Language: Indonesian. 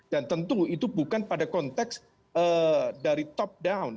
dan tentu itu bukan pada konteks dari top down